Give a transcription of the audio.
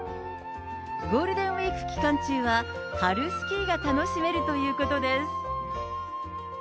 ゴールデンウィーク期間中は春スキーが楽しめるということです。